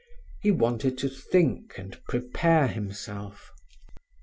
He wanted to think and prepare himself.